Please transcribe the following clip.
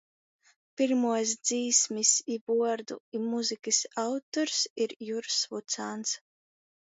Pyrmuos dzīsmis i vuordu, i muzykys autors ir Jurs Vucāns.